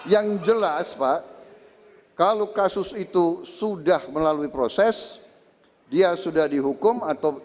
yang jelas pak kalau kasus itu sudah melalui proses dia sudah dihukum atau